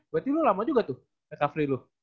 berarti lu lama juga tuh recovery lu